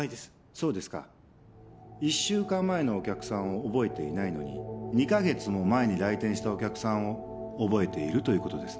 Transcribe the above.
そうですか１週間前のお客さんを覚えていないのに２カ月も前に来店したお客さんを覚えているということですね？